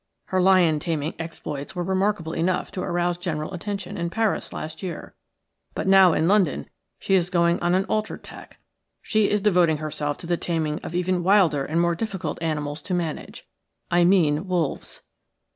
Her lion taming exploits were remarkable enough to arouse general attention in Paris last year, but now in London she is going on an altered tack. She is devoting herself to the taming of even wilder and more difficult animals to manage – I mean wolves."